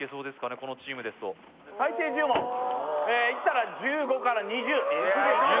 このチームですとえっいったら１５から２０？